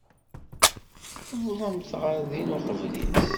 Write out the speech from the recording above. Tuwḍemt ɣer din uqbel-is.